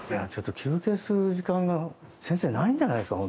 休憩する時間が先生、ないんじゃないですか？